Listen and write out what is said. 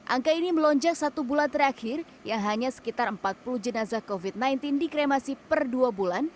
angka ini melonjak satu bulan terakhir yang hanya sekitar empat puluh jenazah covid sembilan belas dikremasi per dua bulan